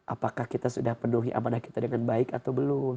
apakah kita sudah penuhi amanah kita dengan baik atau belum